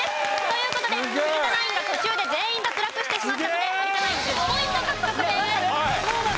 という事で古田ナインが途中で全員脱落してしまったので有田ナイン１０ポイント獲得です。